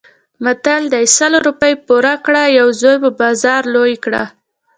متل دی: سل روپۍ پور کړه یو زوی په بازار لوی کړه.